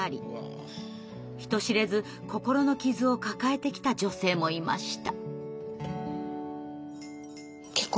人知れず心の傷を抱えてきた女性もいました。